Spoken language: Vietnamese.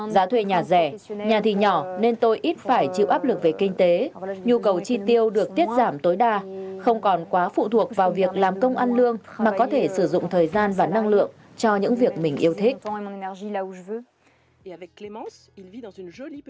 giá thuê nhà rẻ nhà thì nhỏ nên tôi ít phải chịu áp lực về kinh tế nhu cầu chi tiêu được tiết giảm tối đa không còn quá phụ thuộc vào việc làm công ăn lương mà có thể sử dụng thời gian và năng lượng cho những việc mình yêu thích